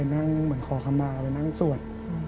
นั่งเหมือนขอคำมาไปนั่งสวด